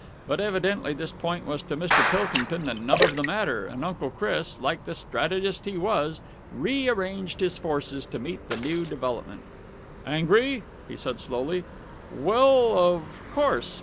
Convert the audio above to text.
But evidently this point was to Mr. Pilkington the nub of the matter, and Uncle Chris, like the strategist he was, re arranged his forces to meet the new development. "Angry?" he said slowly. "Well, of course...."